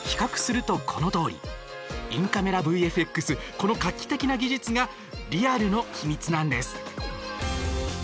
この画期的な技術がリアルの秘密なんです。